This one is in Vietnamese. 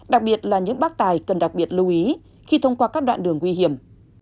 đặc biệt là những bác tài cần đặc biệt lưu ý khi thông qua các đoạn đường nguy hiểm